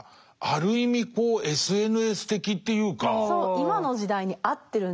今の時代に合ってるんですよ。